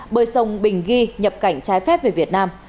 bơi sông bình ghi nhập cảnh trái phép về việt nam